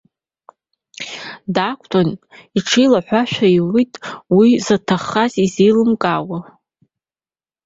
Даақәтәан, иҽааилаиҳәашәа иуит уи заҭаххаз изеилымкаауа.